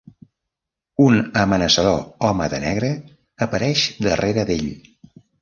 Un amenaçador home de negre apareix darrere d'ell.